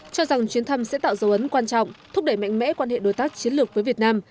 cho rằng chuyến thăm sẽ tạo dấu ấn quan trọng thúc đẩy mạnh mẽ quan hệ đối tác chiến lược với việt nam